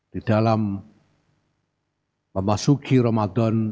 di dalam memasuki ramadan